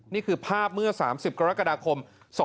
นี่คือภาพเมื่อ๓๐กรกฎาคม๒๕๖